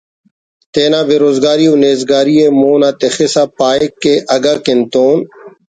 تینا بے روز گاری و نیز گاریءِ مون آ تخسا پاہک کہ اگہ کن تون